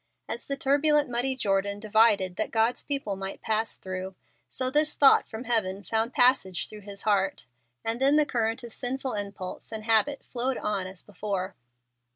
As the turbulent, muddy Jordan divided that God's people might pass through, so this thought from heaven found passage through his heart, and then the current of sinful impulse and habit flowed on as before.